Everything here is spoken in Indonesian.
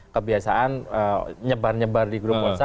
kebiasaan nyebar nyebar di grup whatsapp